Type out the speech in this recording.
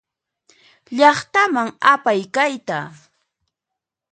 Llaqtaman apay kayta.